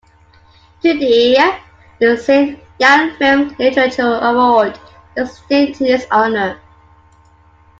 Today the Xia Yan Film Literature Award is named in his honour.